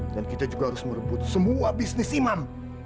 dan kita juga harus merebut semua bisnis imam